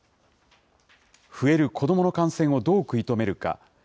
増える子どもの感染をどう食い止めるか。